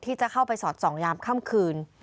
ที่จะเข้าไปสอดส่องยามค่ำคืน